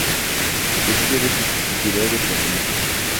De títeres y titiriteros:Guatemala.